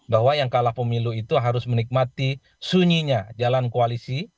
bahwa yang kalah pemilu itu harus menikmati sunyinya jalan koalisi